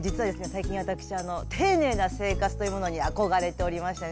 最近私丁寧な生活というものに憧れておりましてね